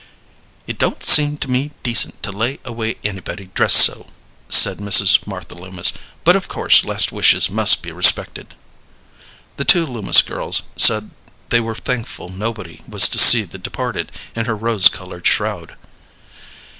"It don't seem to me decent to lay away anybody dressed so," said Mrs. Martha Loomis; "but of course last wishes must be respected." The two Loomis girls said they were thankful nobody was to see the departed in her rose colored shroud.